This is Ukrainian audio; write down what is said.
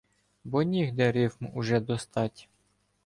Бо нігде рифм уже достать.